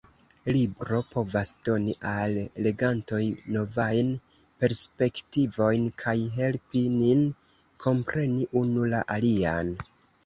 Libro povas doni al legantoj novajn perspektivojn kaj helpi nin kompreni unu la alian.